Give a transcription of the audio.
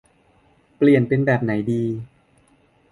เปลี่ยนเป็นแบบไหนดี